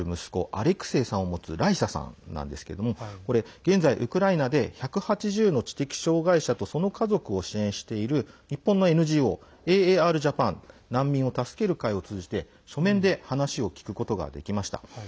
アレクセイさんを持つライサさんなんですけども現在、ウクライナで１８０の知的障害者とその家族を支援している日本のＮＧＯ、ＡＡＲＪＡＰＡＮ難民を助ける会を通じて書面で話を聞くことができました。